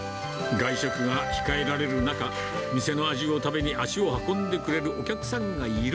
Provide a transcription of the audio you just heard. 外食が控えられる中、店の味を食べに足を運んでくれるお客さんがいる。